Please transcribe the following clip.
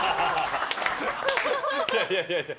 いやいやいやいや。